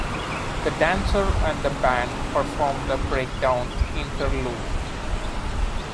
The dancers and the band performed the "Breakdown" interlude.